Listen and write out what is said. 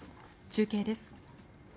中継です。